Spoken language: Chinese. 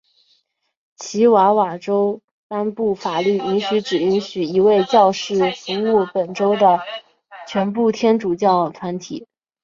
奇瓦瓦州颁布法律允许只允许一位教士服务本州的全部天主教团体。